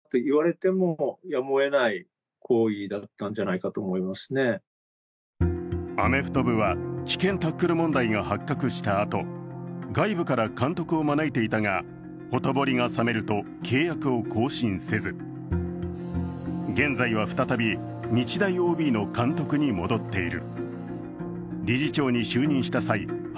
しかし、こと運動部に関してはアメフト部は危険タックル問題が発覚したあと外部から監督を招いていたが、ほとぼりが冷めると契約を更新せず現在は再び日大ＯＢの監督に戻っている。